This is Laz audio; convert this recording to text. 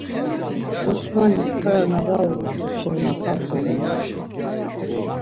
Osmanik para na var uğut̆u şeni palto gamaçu.